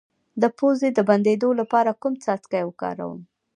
د پوزې د بندیدو لپاره کوم څاڅکي وکاروم؟